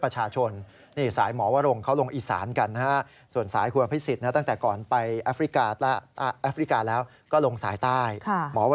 ด้านของหมอวรงค์เดชครีดวิกรม